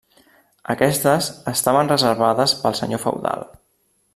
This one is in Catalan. Aquestes estaven reservades pel senyor feudal.